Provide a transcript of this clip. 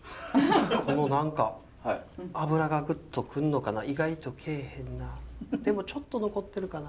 この何か脂がぐっと来るのかな意外と来えへんなでもちょっと残ってるかな。